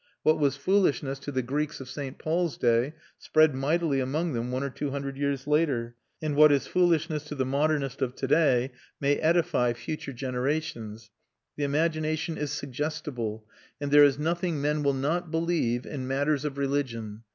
What was foolishness to the Greeks of St. Paul's day spread mightily among them one or two hundred years later; and what is foolishness to the modernist of to day may edify future generations. The imagination is suggestible and there is nothing men will not believe in matters of religion.